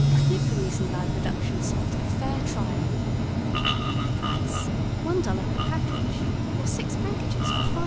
Give Louisenbad Reduction Salt a fair trial. Price $1 per package or 6 packages for $5.